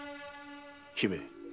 姫。